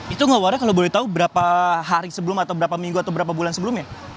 itu ngewarna kalau boleh tahu berapa hari sebelum atau berapa minggu atau berapa bulan sebelumnya